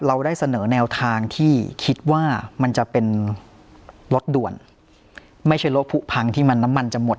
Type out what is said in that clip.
เราได้เสนอแนวทางที่คิดว่ามันจะเป็นรถด่วนไม่ใช่รถผู้พังที่มันน้ำมันจะหมด